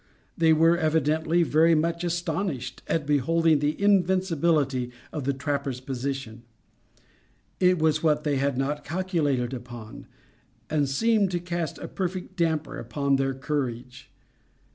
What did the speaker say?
They were, evidently, very much astonished at beholding the invincibility of the trappers' position. It was what they had not calculated upon and seemed to cast a perfect damper upon their courage.